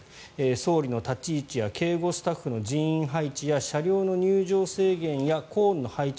総理の立ち位置や警護スタッフの人員配置や車両の入場制限やコーンの配置